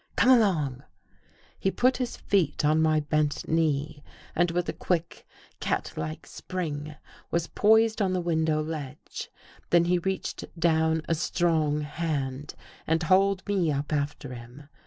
" Come along." He put his feet on my bent knee, and with a quick, catlike spring, was poised on the window ledge. Then he reached down a strong hand and hauled me up after him.